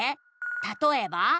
「たとえば？」